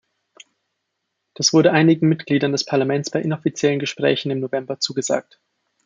Das wurde einigen Mitgliedern des Parlaments bei inoffiziellen Gesprächen im November zugesagt.